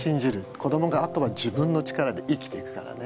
子どもがあとは自分の力で生きていくからね。